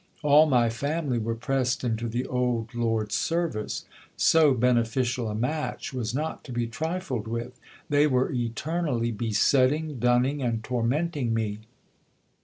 All my family were pressed into the old lord's service. So beneficial a match was not to be trifled with ! They were eternally besetting, dunning, and torment ing me.